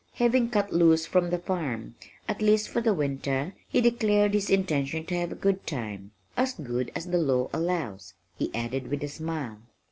Having cut loose from the farm at least for the winter, he declared his intention to have a good time, "as good as the law allows," he added with a smile.